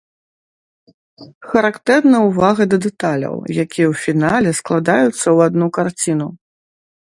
Характэрна ўвага да дэталяў, якія ў фінале складаюцца ў адну карціну.